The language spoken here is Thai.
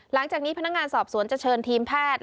หลังจากนี้พนักงานสอบสวนจะเชิญทีมแพทย์